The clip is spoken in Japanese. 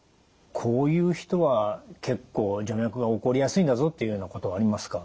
こういう人は結構徐脈が起こりやすいんだぞっていうようなことはありますか？